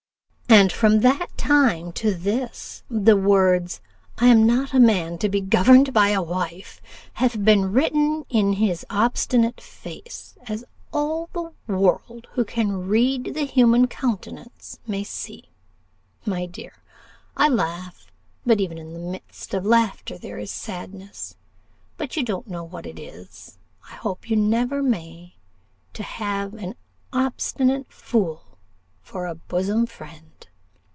And from that time to this the words, 'I am not a man to be governed by a wife,' have been written in his obstinate face, as all the world who can read the human countenance may see. My dear, I laugh; but even in the midst of laughter there is sadness. But you don't know what it is I hope you never may to have an obstinate fool for a bosom friend.